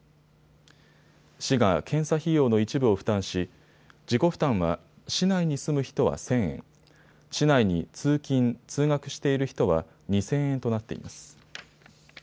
市が検査費用の一部を負担し自己負担は市内に住む人は１０００円、市内に通勤、通学している人は２０００円となっています。